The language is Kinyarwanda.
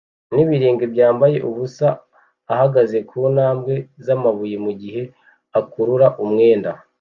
n'ibirenge byambaye ubusa ahagaze ku ntambwe zamabuye mugihe akurura umwenda